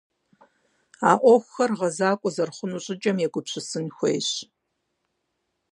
А ӏуэхухэр гъэзэкӀуа зэрыхъуну щӀыкӀэм егупсысын хуейщ.